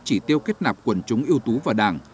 chỉ tiêu kết nạp quần chúng yếu tố và đảng